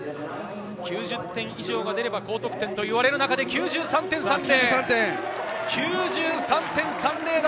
９０点以上が出れば高得点といわれる中で９３．３０。